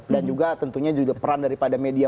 dan juga tentunya juga peran daripada media